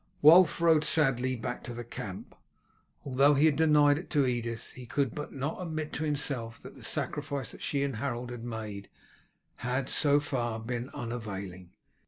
Wulf rode sadly back to the camp. Although he had denied it to Edith, he could not but admit to himself that the sacrifice that she and Harold had made had, so far, been unavailing.